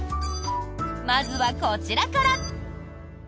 まずはこちらから。